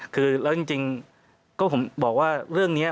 คือแล้วจริงก็ผมบอกว่าเรื่องนี้